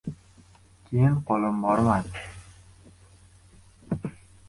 Keyin qo‘lim bormadi.